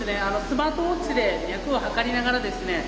スマートウォッチで脈を測りながらですね